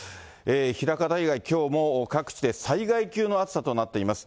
枚方以外、きょうも各地で災害級の暑さとなっています。